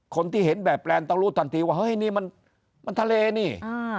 คนที่เห็นแบบแปลนต้องรู้ทันทีว่าเฮ้ยนี่มันทะเลนี่